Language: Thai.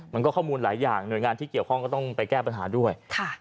ข้อมูลหลายอย่างหน่วยงานที่เกี่ยวข้องก็ต้องไปแก้ปัญหาด้วย